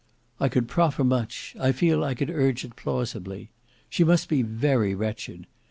"I could proffer much: I feel I could urge it plausibly. She must be very wretched.